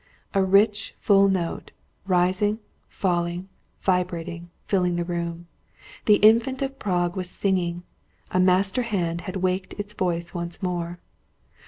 A rich, full note, rising, falling, vibrating, filled the room. The Infant of Prague was singing. A master hand had waked its voice once more.